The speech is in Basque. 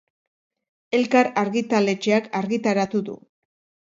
Elkar argitaletxeak argitaratu du.